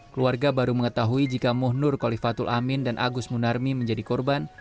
keluarga baru mengetahui jika muhnur khalifatul amin dan agus munarmi menjadi korban